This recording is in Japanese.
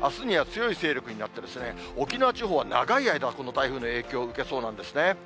あすには強い勢力になって、沖縄地方は長い間、この台風の影響を受けそうなんですね。